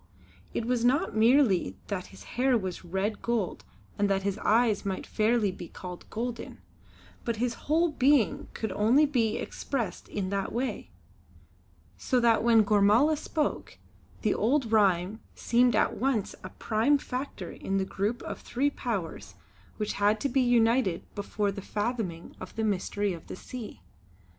It was not merely that his hair was red gold and that his eyes might fairly be called golden, but his whole being could only be expressed in that way; so that when Gormala spoke, the old rhyme seemed at once a prime factor in the group of three powers which had to be united before the fathoming of the Mystery of the Sea.